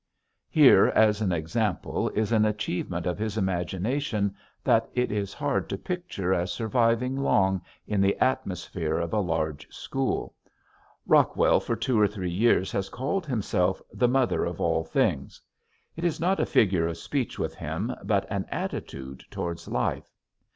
Here, as an example, is an achievement of his imagination that it is hard to picture as surviving long in the atmosphere of a large school. Rockwell for two or three years has called himself the "mother of all things." It is not a figure of speech with him but an attitude towards life.